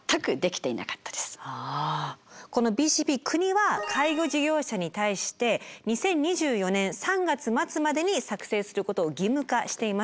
このＢＣＰ国は介護事業者に対して２０２４年３月末までに作成することを義務化しています。